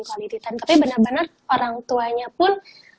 quality time tapi bener bener orang tuanya pun